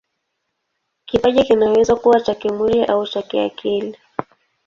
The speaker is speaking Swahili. Kipaji kinaweza kuwa cha kimwili au cha kiakili.